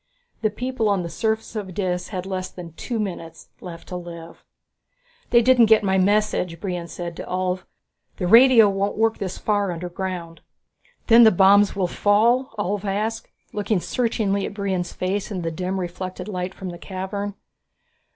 The people on the surface of Dis had less than two minutes left to live. "They didn't get my message," Brion said to Ulv. "The radio won't work this far underground." "Then the bombs will fall?" Ulv asked, looking searchingly at Brion's face in the dim reflected light from the cavern.